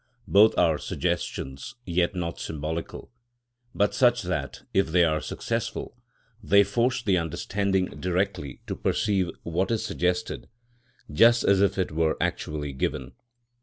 Both are suggestions, yet not symbolical, but such that, if they are successful, they force the understanding directly to perceive what is suggested, just as if it were actually given.